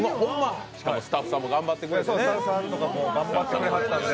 しかもスタッフさんも頑張ってくれてね。